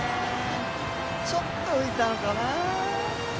ちょっと浮いたのかな。